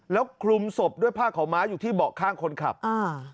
แล้วคลุมศพด้วยผ้าขาวม้าอยู่ที่เบาะข้างคนขับอ่า